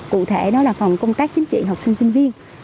cụ thể đó là phòng công tác chính trị học sinh sinh viên